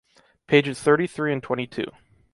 Pages thirty-three and twenty-two.